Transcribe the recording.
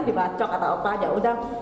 dimacok atau apa yaudah